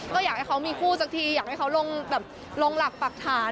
ก็อยากให้เขามีคู่สักทีอยากให้เขาลงแบบลงหลักปรักฐาน